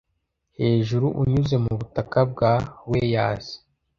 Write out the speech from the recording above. hejuru unyuze mubutaka bwa wales